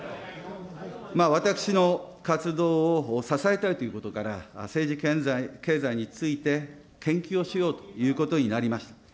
私の活動を支えたいということから、政治経済について研究をしようということになりました。